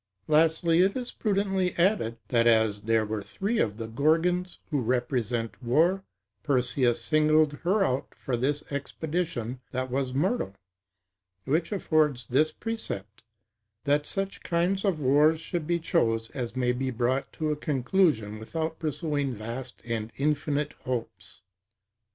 Lastly, it is prudently added, that, as there were three of the Gorgons, who represent war, Perseus singled her out for this expedition that was mortal; which affords this precept, that such kind of wars should be chose as may be brought to a conclusion without pursuing vast and infinite hopes.